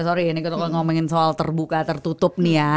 sorry ini kalau ngomongin soal terbuka tertutup nih ya